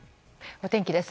お天気です。